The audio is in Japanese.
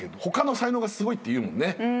他の才能がすごいっていうもんね。